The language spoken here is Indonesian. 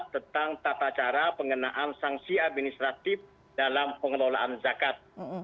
tentang tata cara pengenaan sanksi administratif dalam pengelolaan zakat